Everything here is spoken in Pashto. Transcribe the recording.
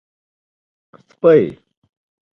🐕 سپۍ